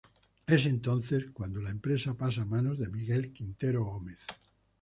Es entonces cuando la empresa pasa a manos de Miguel Quintero Gómez.